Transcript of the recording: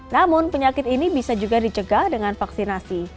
namun penyakit ini bisa juga dicegah dengan vaksinasi